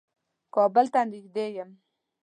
کابل ته نېږدې يم.